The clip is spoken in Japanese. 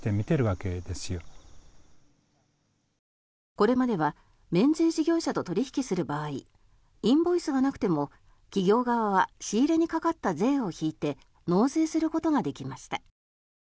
これまでは免税事業者と取引する場合インボイスがなくても、企業側は仕入れにかかった税を引いて納税することができました。